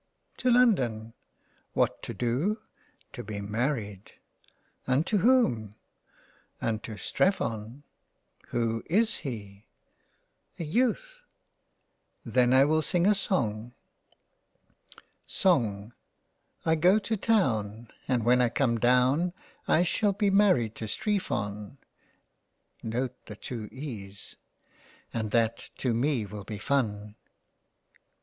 To London —. What to do ? To be married —. Unto whom ? Unto Strephon. Who is he ? A Youth. Then I will sing a song. Song I go to Town And when I come down, I shall be married to Streephon* And that to me will be fun.